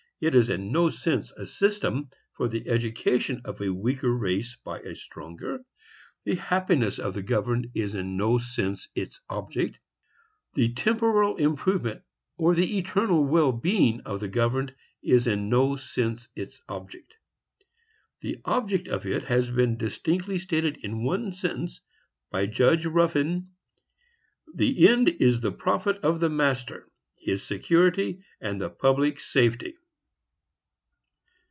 3. It is in no sense a system for the education of a weaker race by a stronger. 4. The happiness of the governed is in no sense its object. 5. The temporal improvement or the eternal well being of the governed is in no sense its object. The object of it has been distinctly stated in one sentence, by Judge Ruffin,—"The end is the profit of the master, his security, and the public safety."